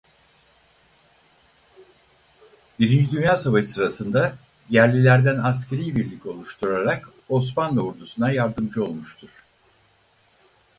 Birinci Dünya Savaşı sırasında yerlilerden askerî birlik oluşturarak Osmanlı ordusu'na yardımcı olmuştur.